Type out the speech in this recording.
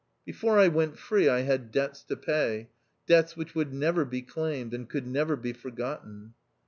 Before I went free I had debts to pay — debts which would never be claimed, and could never be forgotten.